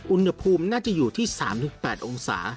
อุณหภูมิน่าจะอยู่ที่๓๘องศา